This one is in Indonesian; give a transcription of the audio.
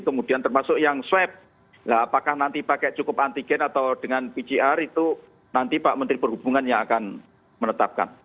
kemudian termasuk yang swab apakah nanti pakai cukup antigen atau dengan pcr itu nanti pak menteri perhubungan yang akan menetapkan